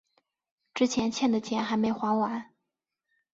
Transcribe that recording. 之前欠的钱还没还完